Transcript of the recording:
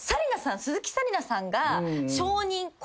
鈴木紗理奈さんが証人。